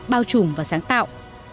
bao trùm và sáng tạo